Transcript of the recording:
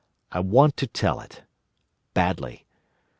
I want to tell it. Badly.